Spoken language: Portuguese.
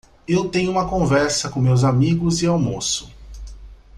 Eu tenho uma conversa com meus amigos e almoço.